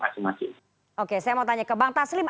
masing masing oke saya mau tanya ke bang taslim